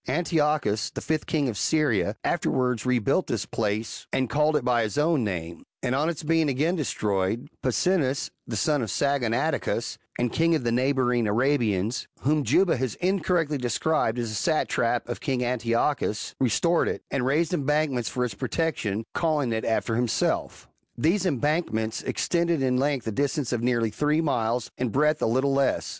Antiochus, the fifth king of Syria, afterwards rebuilt this place and called it by his own name ; and on its being again destroyed, Pasines, the son of Saggonadacus, and king of the neighbouring Arabians, whom Juba has incorrectly described as a satrap of king An tiochus, restored it, and raised embankments for its protection, calling it after himself. These embankments extended in length a distance of nearly three miles, in breadth a little less.